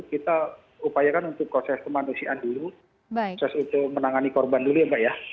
kita upayakan untuk proses kemanusiaan dulu proses untuk menangani korban dulu ya mbak ya